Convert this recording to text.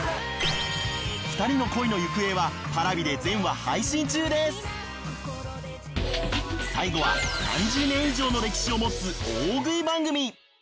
２人の恋の行方は最後は３０年以上の歴史を持つ大食い番組。